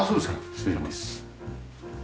失礼します。